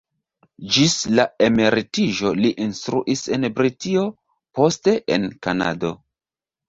Ĝis la emeritiĝo li instruis en Britio, poste en Kanado.